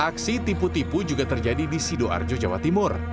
aksi tipu tipu juga terjadi di sidoarjo jawa timur